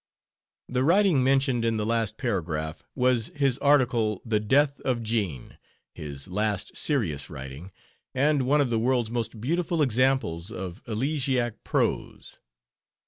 The writing mentioned in the last paragraph was his article 'The Death of Jean,' his last serious writing, and one of the world's most beautiful examples of elegiac prose.